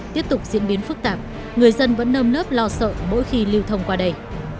tiếp tục diễn biến phức tạp người dân vẫn nâm nớp lo sợ mỗi khi lưu thông qua đây